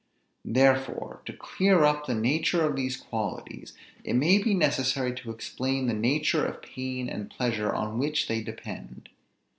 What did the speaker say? Therefore, to clear up the nature of these qualities, it may be necessary to explain the nature of pain and pleasure on which they depend.